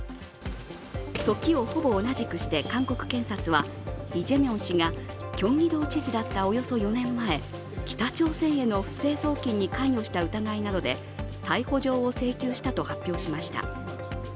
時をほぼ同じくして韓国検察は、イ・ジェミョン氏がキョンギド知事だったおよそ４年前、北朝鮮への不正送金に関与した疑いなどで逮捕状を請求したと発表しました。